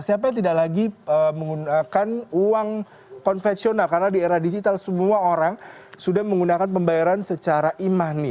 siapa yang tidak lagi menggunakan uang konvensional karena di era digital semua orang sudah menggunakan pembayaran secara e money